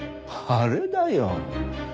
あれだよ。